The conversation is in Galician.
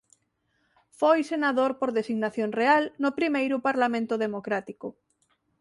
Foi senador por designación real no primeiro parlamento democrático.